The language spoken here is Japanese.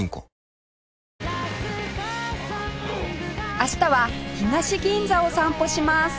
明日は東銀座を散歩します